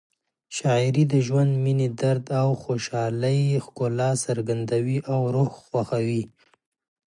شاعري د ژوند، مینې، درد او خوشحالۍ ښکلا څرګندوي او روح خوښوي.